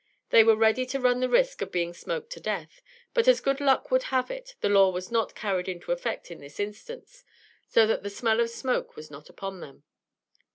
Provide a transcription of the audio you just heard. They were ready to run the risk of being smoked to death; but as good luck would have it, the law was not carried into effect in this instance, so that the "smell of smoke was not upon them."